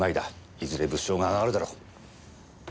いずれ物証があがるだろう。